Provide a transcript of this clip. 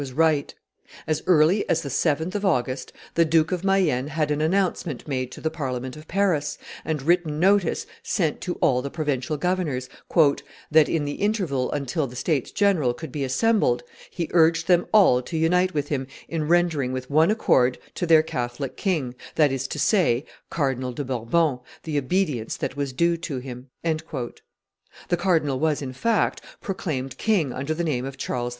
was right. As early as the 7th of August, the Duke of Mayenne had an announcement made to the Parliament of Paris, and written notice sent to all the provincial governors, "that, in the interval until the states general could be assembled, he urged them all to unite with him in rendering with one accord to their Catholic king, that is to say, Cardinal de Bourbon, the obedience that was due to him." The cardinal was, in fact, proclaimed king under the name of Charles X.